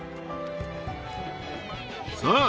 さあ